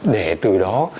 để từ đó